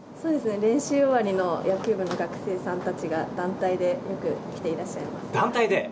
練習終わりの野球部の学生さんたちが団体でよく来てらっしゃいます。